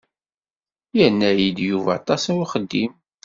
Yerna-yi-d Yuba aṭas n uxeddim.